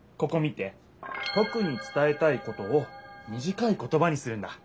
とくにつたえたいことをみじかい言葉にするんだ。